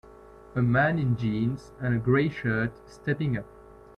A man in jeans and a gray shirt stepping up